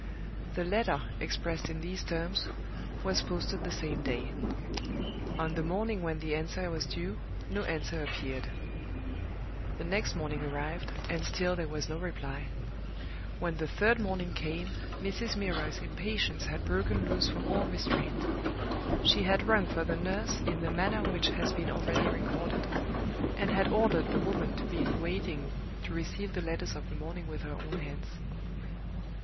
The letter, expressed in these terms, was posted the same day. On the morning when the answer was due, no answer appeared. The next morning arrived, and still there was no reply. When the third morning came, Mrs. Milroy's impatience had broken loose from all restraint. She had rung for the nurse in the manner which has been already recorded, and had ordered the woman to be in waiting to receive the letters of the morning with her own hands.